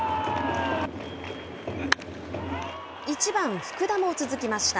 １番福田も続きました。